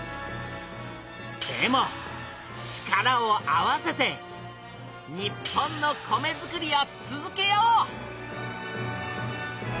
でも力を合わせて日本の米づくりを続けよう！